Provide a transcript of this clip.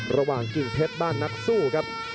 ระหว่างกิ่งเพชรบ้านนักสู้ครับ